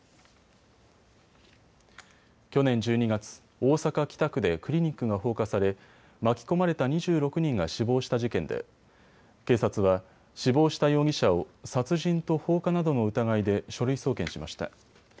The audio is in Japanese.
去年１２月、大阪北区でクリニックが放火され巻き込まれた２６人が死亡した事件で警察は死亡した容疑者を殺人と放火などの疑いで書類送検しました。